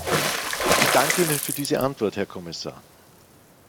Ich danke Ihnen für diese Antwort, Herr Kommissar.